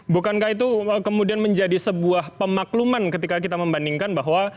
bukankah itu kemudian menjadi sebuah pemakluman ketika kita membandingkan bahwa